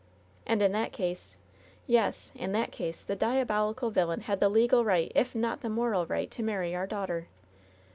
And in that case — yes, in that case the diabolical villain had the legal right, if not the moral right, to marry our daughter!